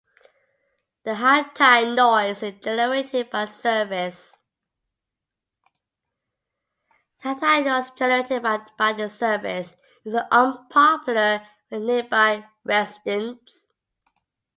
The high tyre noise generated by this surface is unpopular with nearby residents.